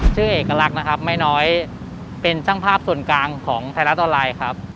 ชื่อเอกลักษณ์นะครับไม่น้อยเป็นช่างภาพส่วนกลางของไทยรัฐออนไลน์ครับ